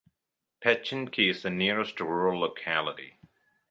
Pechinki is the nearest rural locality.